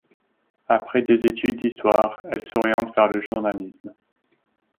Après des études d'Histoire, elle s'oriente vers le journalisme.